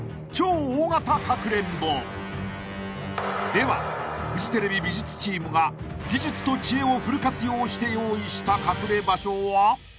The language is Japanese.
［ではフジテレビ美術チームが技術と知恵をフル活用して用意した隠れ場所は？］